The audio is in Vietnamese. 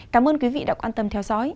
cảm ơn quý vị đã quan tâm theo dõi